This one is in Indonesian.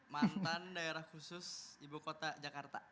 mantan daerah khusus ibu kota jakarta